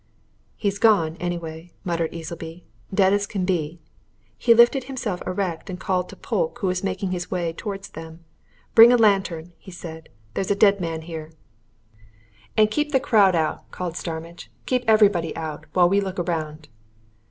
"He's gone, anyway," muttered Easleby. "Dead as can be!" He lifted himself erect and called to Polke who was making his way towards them. "Bring a lantern!" he said. "There's a dead man here!" "And keep the crowd out," called Starmidge. "Keep everybody out while we look round."